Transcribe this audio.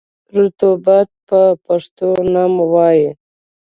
رطوبت ته په پښتو نم وايي.